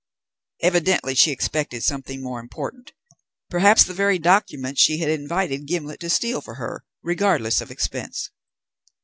Evidently she expected something more important; perhaps the very documents she had invited Gimblet to steal for her, regardless of expense.